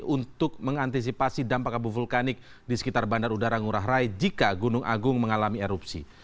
untuk mengantisipasi dampak abu vulkanik di sekitar bandar udara ngurah rai jika gunung agung mengalami erupsi